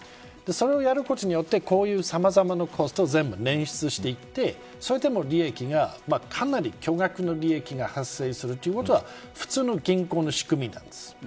それをやることによってこういう、さまざまなコストを全部捻出していってそれでも、かなり巨額の利益が発生するということは普通の銀行の仕組みなんです。